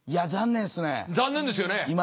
残念ですよね。